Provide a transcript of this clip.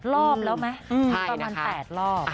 ๘รอบแล้วไหมประมาณ๘รอบอืมใช่นะคะอืม